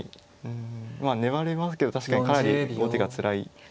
うんまあ粘れますけど確かにかなり後手がつらいですか。